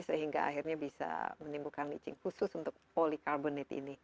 sehingga akhirnya bisa menimbulkan leaching khusus untuk polikarbonate ini